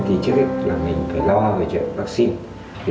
thì trước hết là mình phải lo về chuyện vắc xin